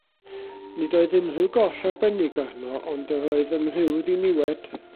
Nid oedd unrhyw goll arbennig arno, ond yr oedd yn rhyw ddiniwed.